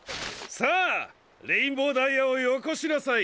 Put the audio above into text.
さあレインボーダイヤをよこしなさい！